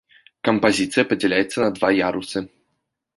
Кампазіцыя падзяляецца на два ярусы.